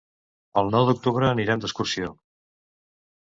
El nou d'octubre anirem d'excursió.